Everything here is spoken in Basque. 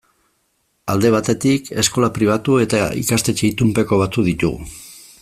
Alde batetik, eskola pribatu eta ikastetxe itunpeko batzuk ditugu.